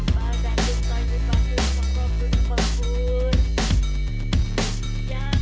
pada disayangkan oleh pekerjaan